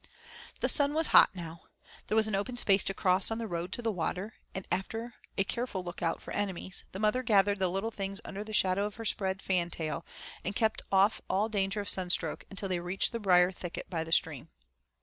The sun was hot now. There was an open space to cross on the road to the water, and, after a careful lookout for enemies, the mother gathered the little things under the shadow of her spread fantail and kept off all danger of sunstroke until they reached the brier thicket by the stream.